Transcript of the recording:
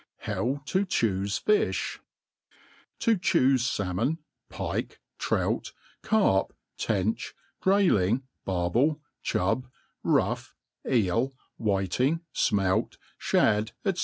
How to chufe FISH. To chufe Salmon^ Pike^ Trout^ Carp, Tench, GraUing, Barlefy Chub, Ruff, Eel, iHiting, Smelt, Shad, ^c.